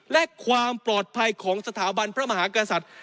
และความปลอดภัยของสถาบันพระมหากษัตริย์